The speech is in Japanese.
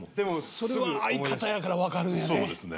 それは相方やから分かるんやね。